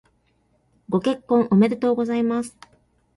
ご結婚おめでとうございます。